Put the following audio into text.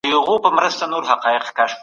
اقتصادي همکاري د ټولني قوت دی.